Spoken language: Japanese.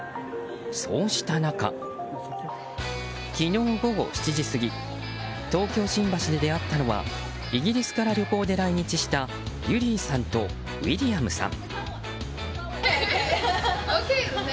そうした中、昨日午後７時過ぎ東京・新橋で出会ったのはイギリスから旅行で来日したユリィさんとウィリアムさん。